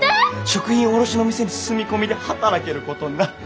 食品卸の店に住み込みで働けることになって。